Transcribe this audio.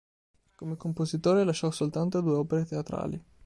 Come compositore lasciò soltanto due opere teatrali.